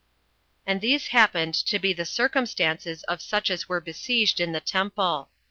6. And these happened to be the circumstances of such as were besieged in the temple.